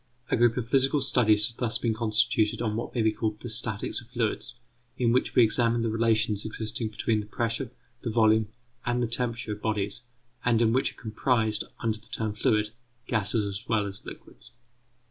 A group of physical studies has thus been constituted on what may be called the statics of fluids, in which we examine the relations existing between the pressure, the volume, and the temperature of bodies, and in which are comprised, under the term fluid, gases as well as liquids.